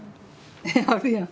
あるやん。